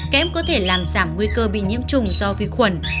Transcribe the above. kém có thể làm giảm nguy cơ bị nhiễm trùng do vi khuẩn